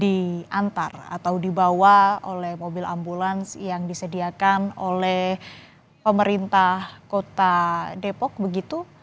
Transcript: diantar atau dibawa oleh mobil ambulans yang disediakan oleh pemerintah kota depok begitu